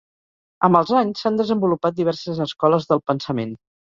Amb els anys, s'han desenvolupat diverses escoles del pensament.